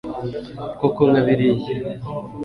koko nka biriya